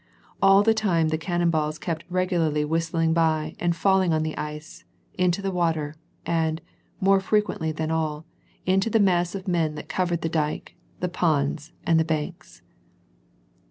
All the time the cannon balls kept regularly whistling by and falling on the ice, into the water, and, more frequently than all, into the mass of men that covered the dyke, the ponds, and the banks.